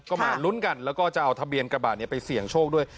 ก็มาลุ้นกันแล้วก็จะเอาทะเบียนกระบาดไปเสี่ยงโชคด้วย